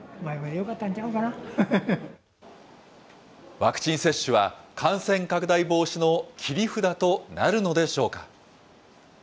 ワクチン接種は、感染拡大防止の切り札となるのでしょうか。